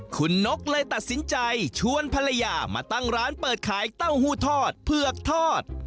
คุณนกเลยตัดสินใจชวนภรรยามาตั้งร้านเปิดขายเต้าหู้ทอดเผือกทอด